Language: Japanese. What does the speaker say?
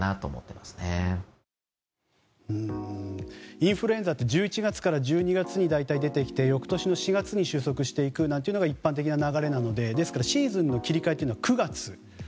インフルエンザって１１月から１２月に大体、出てきて、翌年の４月に収束していくのが一般的な流れなのでですからシーズンの切り替えというのは９月。